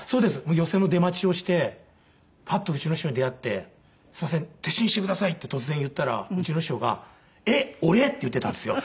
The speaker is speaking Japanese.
寄席の出待ちをしてパッとうちの師匠に出会って「すいません弟子にしてください」って突然言ったらうちの師匠が「えっ俺？」って言っていたんですよ。